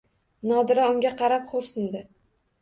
Nodira unga qarab xo`rsindi